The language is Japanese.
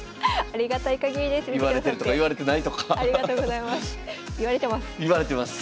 ありがとうございます。